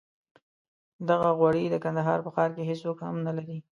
دغه غوړي د کندهار په ښار کې هېڅوک هم نه لري.